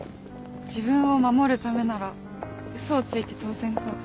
自分を守るためなら嘘をついて当然か。